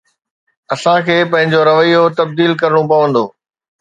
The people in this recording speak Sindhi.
اسان کي پنهنجو رويو تبديل ڪرڻو پوندو